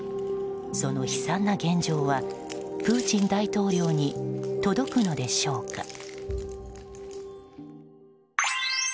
その悲惨な現状はプーチン大統領に届くのでしょうか。